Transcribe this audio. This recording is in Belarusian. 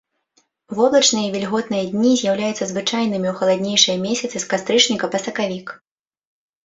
Воблачныя і вільготныя дні з'яўляюцца звычайнымі ў халаднейшыя месяцы з кастрычніка па сакавік.